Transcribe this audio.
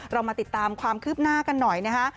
เรามาติดตามความคืบหน้ากันหน่อยนะคะ